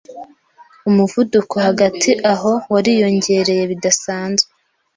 umuvuduko hagati aho wariyongereye bidasanzwe.